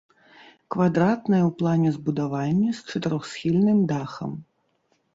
Квадратнае ў плане збудаванне з чатырохсхільным дахам.